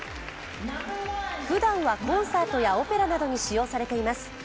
ふだんはコンサートやオペラなどに使用されています。